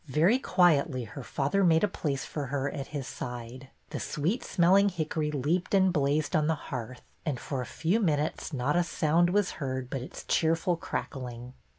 Very quietly her father made a place for her at his side. The sweet smelling hickory leaped and blazed on the hearth, and for a few minutes not a sound was heard but its cheerful crackling.